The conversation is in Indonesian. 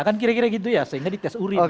kan kira kira gitu ya sehingga dites urin